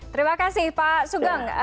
terima kasih pak soegang